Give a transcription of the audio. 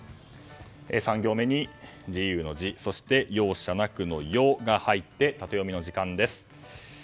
３行目に自由の「ジ」そして容赦なくの「ヨ」が入ってタテヨミの時間です。